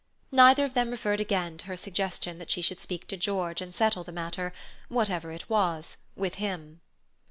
Neither of them referred again to her suggestion that she should speak to George and settle the matter, whatever it was, with him.